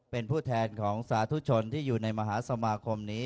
เป็นผู้แทนของสาธุชนที่อยู่ในมหาสมาคมนี้